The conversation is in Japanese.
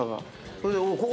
それでお！